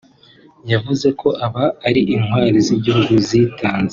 yavuze ko aba ari intwari z’igihugu zitanze